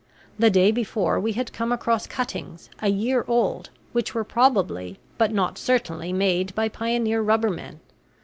The day before, we had come across cuttings, a year old, which were probably but not certainly made by pioneer rubbermen.